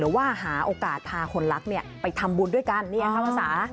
ว่าหาโอกาสพาคนรักเนี่ยไปทำบุญด้วยกันภาษา